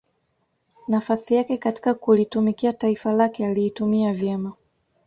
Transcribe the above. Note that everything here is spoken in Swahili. nafasi yake katika kulitumikia taifa lake aliitumia vyema